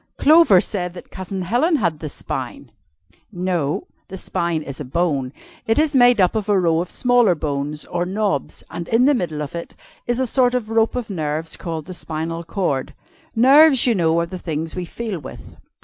"Clover said that Cousin Helen had the spine!" "No the spine is a bone. It is made up of a row of smaller bones or knobs and in the middle of it is a sort of rope of nerves called the spinal cord. Nerves, you know, are the things we feel with.